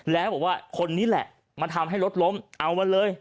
แล้วบอกว่าคนนี้แหละมาทำให้รถล้มเอามันเลย